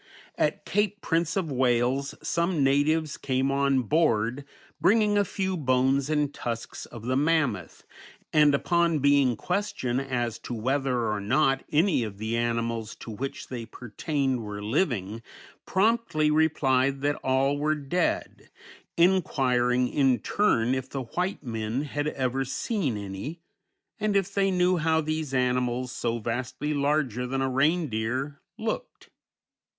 At Cape Prince of Wales some natives came on board bringing a few bones and tusks of the mammoth, and upon being questioned as to whether or not any of the animals to which they pertained were living, promptly replied that all were dead, inquiring in turn if the white men had ever seen any, and if they knew how these animals, so vastly larger than a reindeer, looked.